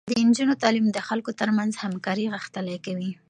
د نجونو تعليم د خلکو ترمنځ همکاري غښتلې کوي.